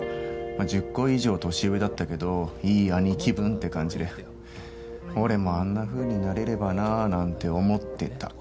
１０個以上年上だったけどいい兄貴分って感じで俺もあんなふうになれればななんて思ってた。